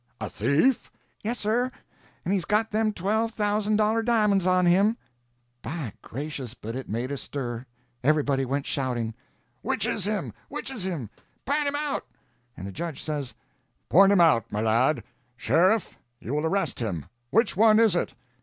"A thief?" "Yes, sir. And he's got them twelve thousand dollar di'monds on him." By gracious, but it made a stir! Everybody went shouting: "Which is him? which is him? p'int him out!" And the judge says: "Point him out, my lad. Sheriff, you will arrest him. Which one is it?"